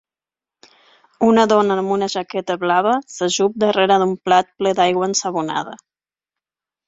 Una dona amb una jaqueta blava s'ajup darrere d'un plat ple d'aigua ensabonada.